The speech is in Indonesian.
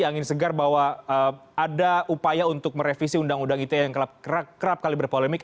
angin segar bahwa ada upaya untuk merevisi undang undang ite yang kerap kali berpolemik